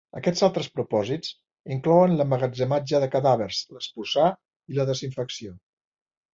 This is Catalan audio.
Aquests altres propòsits inclouen l'emmagatzematge de cadàvers, l'espuçar i la desinfecció.